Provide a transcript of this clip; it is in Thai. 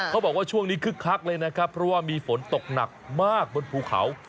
บอกว่าช่วงนี้คึกคักเลยนะครับเพราะว่ามีฝนตกหนักมากบนภูเขา